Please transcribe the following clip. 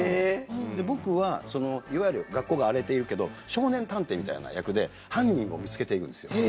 で僕はいわゆる学校が荒れているけど少年探偵みたいな役で犯人を見つけていくんですよ。